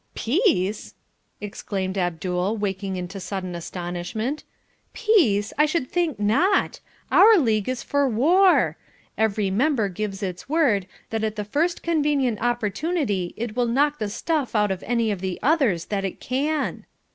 "Peace!" exclaimed Abdul waking into sudden astonishment. "Peace! I should think NOT! Our league is for WAR. Every member gives its word that at the first convenient opportunity it will knock the stuff out of any of the others that it can."